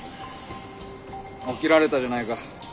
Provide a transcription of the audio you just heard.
起きられたじゃないか。